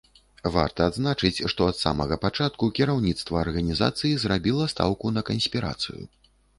Варта адзначыць, што ад самага пачатку кіраўніцтва арганізацыі зрабіла стаўку на канспірацыю.